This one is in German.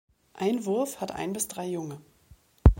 Ein Wurf hat ein bis drei Junge.